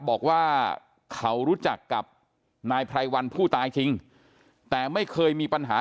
บอกว่าเขารู้จักกับนายไพรวันผู้ตายจริงแต่ไม่เคยมีปัญหา